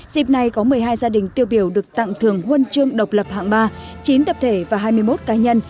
dịp này có một mươi hai gia đình tiêu biểu được tặng thưởng huân chương độc lập hạng ba chín tập thể và hai mươi một cá nhân